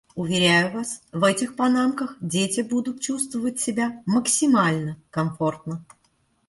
Уверяю вас, в этих панамках дети будут чувствовать себя максимально комфортно.